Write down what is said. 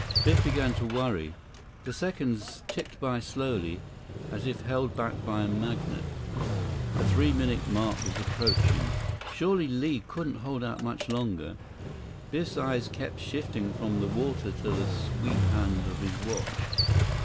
Biff began to worry. The seconds ticked by slowly, as if held back by a magnet. The three minute mark was approaching. Surely Li couldn't hold out much longer. Biff's eyes kept shifting from the water to the sweep hand of his watch.